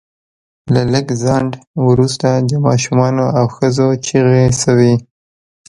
له لږ ځنډ وروسته د ماشومانو او ښځو چیغې شوې